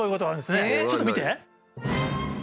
ちょっと見て。